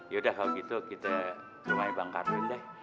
yaudah kalau gitu kita ke rumahnya bang cardun deh